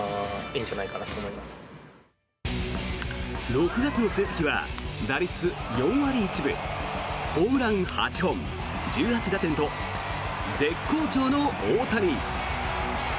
６月の成績は打率４割１分ホームラン８本、１８打点と絶好調の大谷。